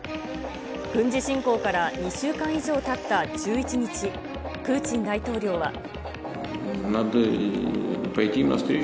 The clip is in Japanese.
軍事侵攻から２週間以上たった１１日、プーチン大統領は。